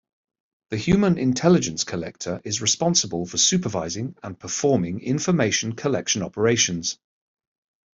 The Human Intelligence Collector is responsible for supervising and performing information collection operations.